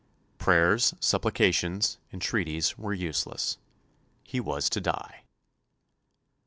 Prayers, supplications, entreaties, were useless. He was to die.